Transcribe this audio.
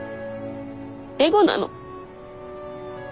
エゴなの。